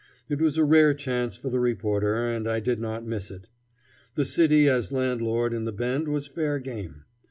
It was a rare chance for the reporter, and I did not miss it. The city as landlord in the Bend was fair game.